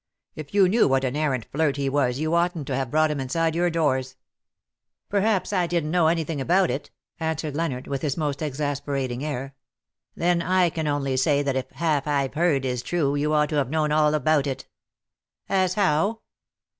If you knew what an arrant flirt he was you oughtn^t to have brought him inside your doors." " Perhaps I didn^t know anything about it," answered Leonard, with his most exasperating air. '' Then I can only say that if half I\e heard is true you ought to have known all about it." '' As how